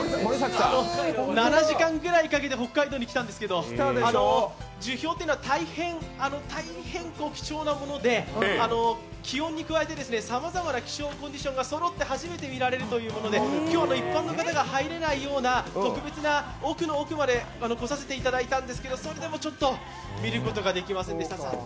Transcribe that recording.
７時間ぐらいかけて北海道に来たんですけど樹氷というのは大変貴重なもので、気温に加えてさまざまな気象コンディションがそろって初めて見られるというもので、今日は一般の方が入れないような特別な奥の奥の方まで来させていただいたんですけどそれでもちょっと見ることができませんでした。